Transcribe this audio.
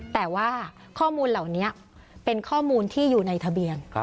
แต่ว่าข้อมูลเหล่านี้เป็นข้อมูลที่อยู่ในทะเบียน